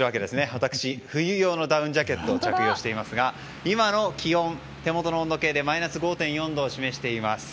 私、冬用のダウンジャケットを着用していますが今の気温、手元の温度計でマイナス５．４度を示しています。